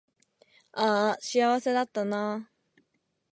あーあ幸せだったなー